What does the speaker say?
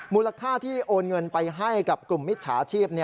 มูลค่าที่โอนเงินไปให้กับกลุ่มมิจฉาชีพ